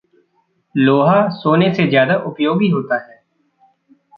लोहा सोने से ज़्यादा उपयोगी होता है।